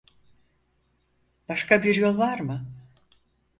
Başka bir yol var mı?